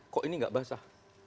kok ini nggak basah